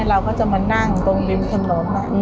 เราก็จะมานั่งตรงริมถนน